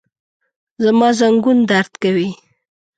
زما زنګون درد کوي